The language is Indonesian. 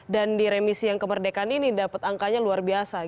dan di remisi yang kemerdekaan ini dapat angkanya luar biasa